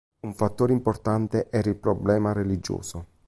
Un fattore importante era il problema religioso.